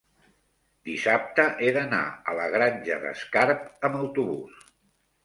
dissabte he d'anar a la Granja d'Escarp amb autobús.